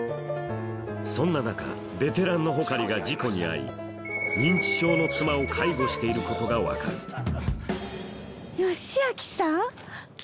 そんな中ベテランの穂刈が事故に遭い認知症の妻を介護していることが分かる良明さん！